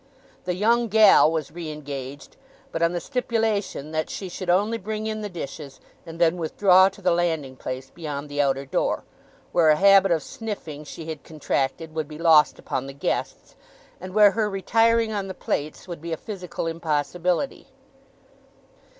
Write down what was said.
The 'young gal' was re engaged; but on the stipulation that she should only bring in the dishes, and then withdraw to the landing place, beyond the outer door; where a habit of sniffing she had contracted would be lost upon the guests, and where her retiring on the plates would be a physical impossibility.